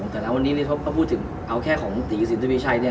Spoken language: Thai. แต่อันนี้พบก้อพูดถึงของตรีกศิลปิชัยเนี่ย